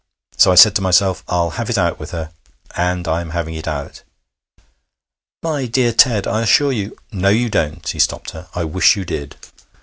So I said to myself, "I'll have it out with her." And I'm having it out.' 'My dear Ted, I assure you ' 'No, you don't,' he stopped her. 'I wish you did.